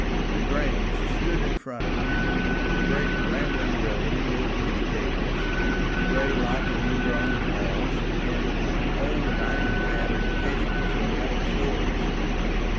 The Grange stood in front of him a great rambling building, with many gables, gray lichen grown walls, and quaint old diamond paned casements in the upper stories.